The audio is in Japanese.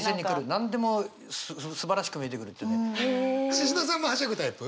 シシドさんもはしゃぐタイプ？